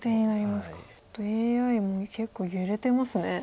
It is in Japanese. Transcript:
ＡＩも結構揺れてますね。